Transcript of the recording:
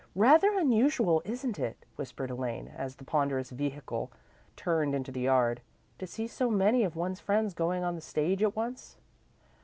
"Rather unusual, isn't it?" whispered Elaine, as the ponderous vehicle turned into the yard, "to see so many of one's friends going on the stage at once?"